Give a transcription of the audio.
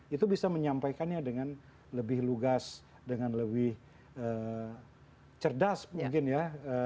itu bisa menyampaikannya dengan lebih lugas dengan lebih cerdas mungkin ya